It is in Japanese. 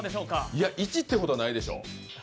いや、１ってことはないでしょう。